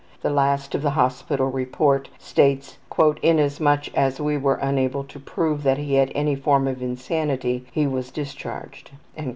The last of the hospital report states, ``Inasmuch as we were unable to prove that he had any form of insanity he was discharged.''